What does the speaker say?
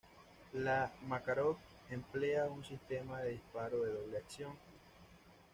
La Makarov emplea un sistema de disparo de doble acción.